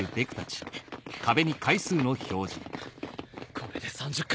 これで３０階。